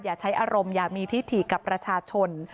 อย่าใช้อารมณ์อย่ามีที่ถี่กับประชาชน